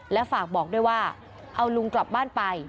และฝากบอกด้วยว่าเอาลุงกลับบ้านไป